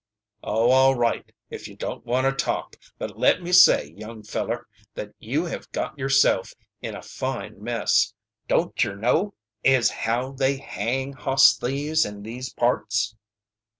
"Oh, all right if you don't want to talk. But let me say, young feller, thet you have got yerself in a fine mess. Don't yer know ez how they hang hoss thieves in these parts?"